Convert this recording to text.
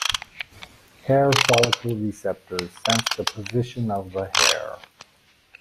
Hair follicle receptors sense the position of the hair.